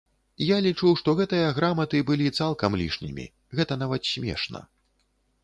Я лічу, што гэтыя граматы былі цалкам лішнімі, гэта нават смешна.